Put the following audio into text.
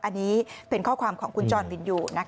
อันนี้เป็นข้อความของคุณจรวินอยู่